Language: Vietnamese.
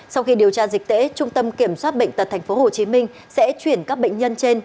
sau khi điều tra dịch tễ trung tâm kiểm soát bệnh tật tp hcm sẽ chuyển các bệnh nhân trên